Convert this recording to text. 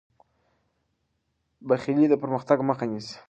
بخیلي د پرمختګ مخه نیسي.